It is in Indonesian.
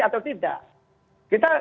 atau tidak kita